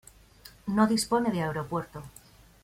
No dispone de aeropuerto.